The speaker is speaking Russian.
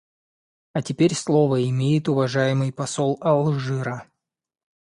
А теперь слово имеет уважаемый посол Алжира.